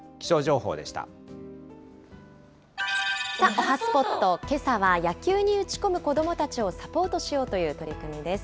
おはＳＰＯＴ、けさは野球に打ち込む子どもたちをサポートしようという取り組みです。